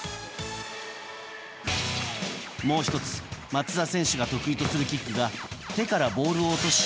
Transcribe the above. もう１つ、松田選手が得意とするキックが手からボールを落とし